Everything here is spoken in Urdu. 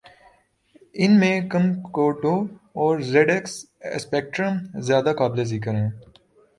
ان میں کمکموڈو اور زیڈ ایکس اسپیکٹرم زیادہ قابل ذکر ہیں